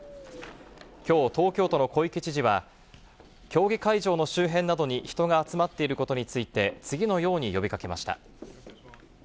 きょう、東京都の小池知事は、競技会場の周辺などに人が集まっていることについて、次のように呼びかけました。